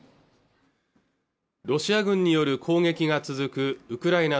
ロシア軍による攻撃が続くウクライナ